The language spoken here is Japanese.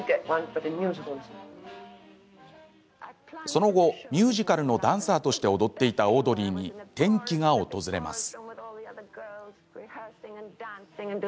その後ミュージカルのダンサーとして踊っていたオードリーに転機が訪れます。